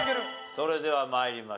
それでは参りましょう。